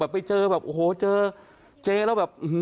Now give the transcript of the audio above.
ไปเจอแบบโอ้โหเจอเจอแล้วแบบ